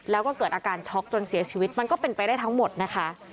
แล้วก็เกิดอาการช็อกจนเสียชีวิตมันก็เป็นไปได้ทั้งหมดนะคะ